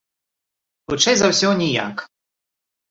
Хутчэй за ўсё, ніяк.